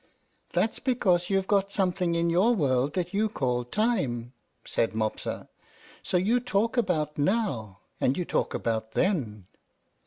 "That's because you've got something in your world that you call TIME," said Mopsa; "so you talk about NOW, and you talk about THEN."